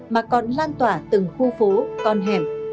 mà còn lan tỏa từng khu phố con hẻm